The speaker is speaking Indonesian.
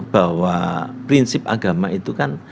bahwa prinsip agama itu kan